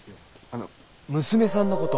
あの娘さんの事？